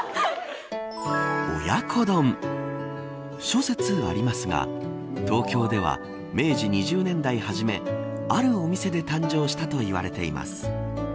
諸説ありますが東京では明治２０年代初めあるお店で誕生したと言われています。